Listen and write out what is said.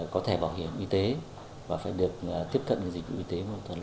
có thẻ bảo hiểm y tế và phải được tiếp cận những dịch vụ y tế